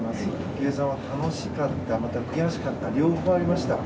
池江さんは楽しかった、悔しかったと両方ありました。